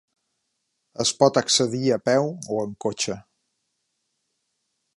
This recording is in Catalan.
Es pot accedir a peu o en cotxe.